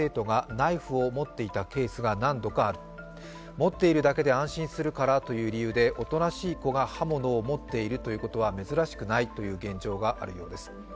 持っているだけで安心するからという理由でおとなしい子が刃物を持っていることは珍しくないという現状があるようです。